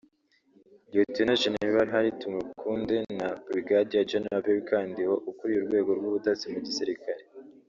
Lt Gen Henry Tumukunde na Brig Gen Abel Kandiho ukuriye Urwego rw’Ubutasi mu Gisirikare